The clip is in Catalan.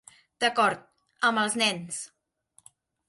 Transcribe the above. D'acord amb els nens